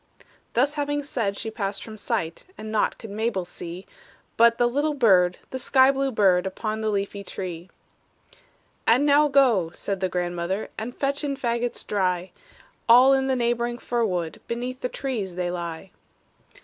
Thus having said, she passed from sight, And naught could Mabel see, But the little bird, the sky blue bird, Upon the leafy tree. "And now go," said the grandmother, "And fetch in fagots dry; All in the neighboring fir wood Beneath the trees they lie."